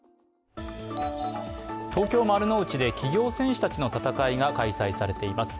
東京・丸の内で企業戦士たちの戦いが開催されています。